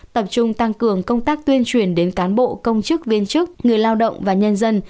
tập trung tăng cường công tác tuyên truyền đến cán bộ công chức viên chức người lao động và nhân dân